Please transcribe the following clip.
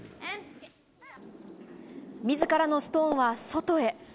自らのストーンは外へ。